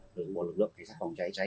đối với một lực lượng cái xác bóng cháy cháy